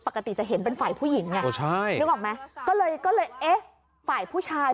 ปกติจะเห็นเป็นฝ่ายผู้หญิงไงก็ใช่นึกออกมั้ยก็เลยฝ่ายผู้ชาย